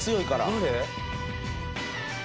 誰？